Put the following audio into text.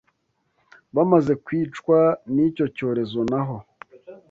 bamaze kwicwa n’icyo cyorezo naho